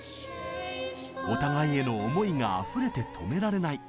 お互いへの思いがあふれて止められない